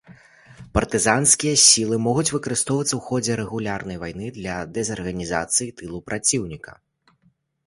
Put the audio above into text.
Партызанскія сілы могуць выкарыстоўвацца ў ходзе рэгулярнай вайны для дэзарганізацыі тылу праціўніка.